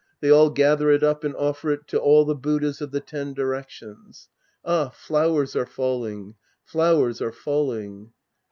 They all gather it up and offer it to all the Buddhas of the ten directions. Ah, flowers are falling. Flowers are falling.